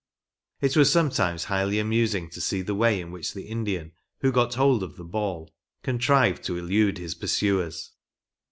It was sometimes highly amusing to see the way in which the Indian, who got hold of the ball, contrived to elude his pursuers.